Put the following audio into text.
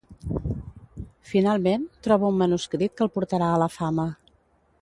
Finalment, troba un manuscrit que el portarà a la fama.